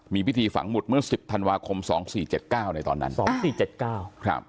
มีพิธีฝังหุดเมื่อสิบธันวาคมสองสี่เจ็ดเก้าในตอนนั้นสองสี่เจ็ดเก้าครับ